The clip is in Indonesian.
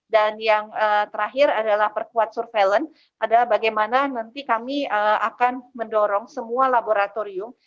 dan yang terakhir adalah perkuat surveillance adalah bagaimana nanti kami akan mendorong semua laboratorium